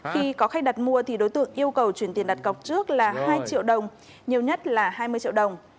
khi có khách đặt mua thì đối tượng yêu cầu chuyển tiền đặt cọc trước là hai triệu đồng nhiều nhất là hai mươi triệu đồng